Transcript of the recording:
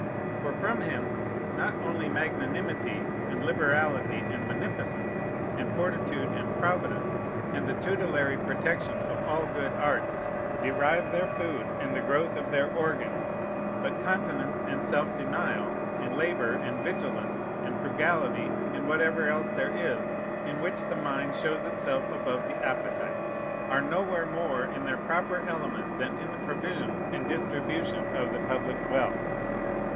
For from hence not only magnanimity, and liberality, and beneficence, and fortitude, and providence, and the tutelary protection of all good arts derive their food, and the growth of their organs, but continence, and self denial, and labor, and vigilance, and frugality, and whatever else there is in which the mind shows itself above the appetite, are nowhere more in their proper element than in the provision and distribution of the public wealth.